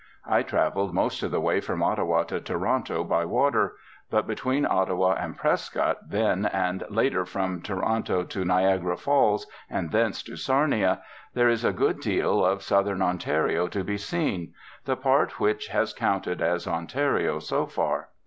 I travelled most of the way from Ottawa to Toronto by water. But between Ottawa and Prescott then, and later from Toronto to Niagara Falls, and thence to Sarnia, there is a good deal of Southern Ontario to be seen the part which has counted as Ontario so far.